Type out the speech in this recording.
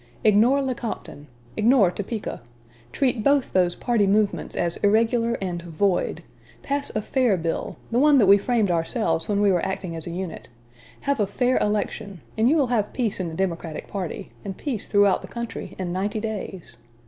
Ignore Lecompton; ignore Topeka; treat both those party movements as irregular and void; pass a fair bill the one that we framed ourselves when we were acting as a unit; have a fair election and you will have peace in the Democratic party, and peace throughout the country, in ninety days.